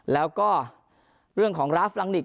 แล้วก็เรื่องของราฟลังนิก